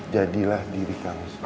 jadilah diri kamu sendiri